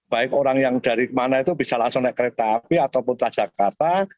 baik orang yang dari mana itu bisa langsung naik kereta api ataupun transjakarta